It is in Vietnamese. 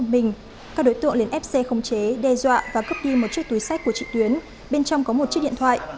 bên trong có một chiếc điện thoại